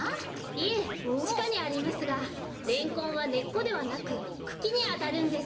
いえちかにありますがレンコンはねっこではなくくきにあたるんです。